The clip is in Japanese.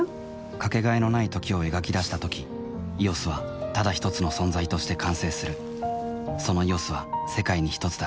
かけがえのない「時」を描き出したとき「ＥＯＳ」はただひとつの存在として完成するその「ＥＯＳ」は世界にひとつだ